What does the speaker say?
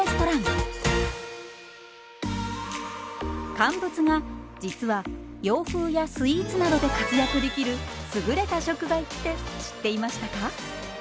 乾物が実は洋風やスイーツなどで活躍できる優れた食材って知っていましたか？